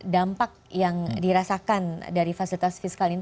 dampak yang dirasakan dari fasilitas fiskal ini